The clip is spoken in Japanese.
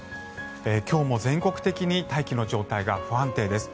今日も全国的に大気の状態が不安定です。